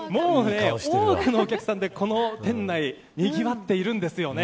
多くのお客さんで店内にぎわっているんですよね。